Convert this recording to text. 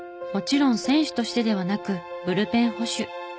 もちろん選手としてではなくブルペン捕手。